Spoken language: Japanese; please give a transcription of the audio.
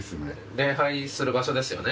礼拝する場所ですよね。